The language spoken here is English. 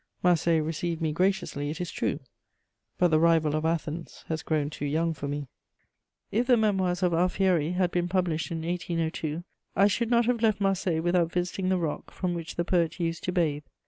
Marseilles received me graciously, it is true; but the rival of Athens has grown too young for me. If the Memoirs of Alfieri had been published in 1802 I should not have left Marseilles without visiting the rock from which the poet used to bathe.